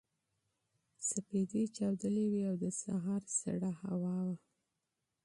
سپېدې چاودلې وې او د سهار نسیم لګېده.